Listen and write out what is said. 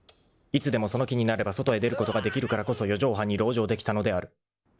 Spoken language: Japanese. ［いつでもその気になれば外へ出ることができるからこそ四畳半に籠城できたのである］